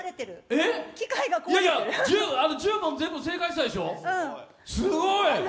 １０問全部正解したでしょ、すごい！